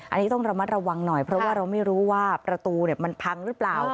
อันนี้ต้องระมัดระวังหน่อยเพราะว่าเราไม่รู้ว่าประตูมันพังหรือเปล่า